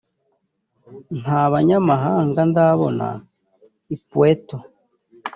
nta banyamahanga ndabona i Pweto